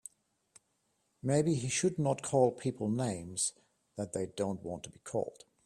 Maybe he should not call people names that they don't want to be called.